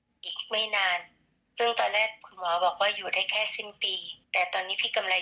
ซึ่งตอนแรกคุณหมอบอกว่าอยู่ได้แค่สิ้นปี